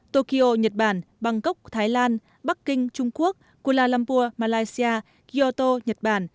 tokyo nhật bản bangkok thái lan bắc kinh trung quốc kuala lumpur malaysia yoto nhật bản